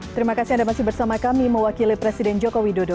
terima kasih anda masih bersama kami mewakili presiden joko widodo